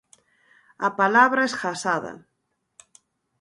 A palabra esgazada.